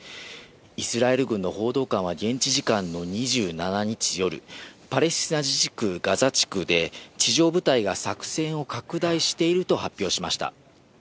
イスラエル軍の報道官は現地時間の２７日夜、パレスチナ自治区ガザ地区で、地上部隊が作戦を拡大していると発表しました。